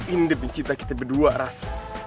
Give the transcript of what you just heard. ini demi cinta kita berdua ras